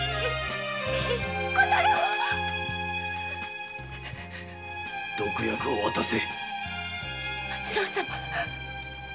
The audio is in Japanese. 小太郎毒薬を渡せ。